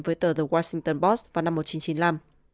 với tờ the washington boss vào năm một nghìn chín trăm chín mươi năm